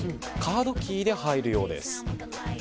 カードキーで入るようです。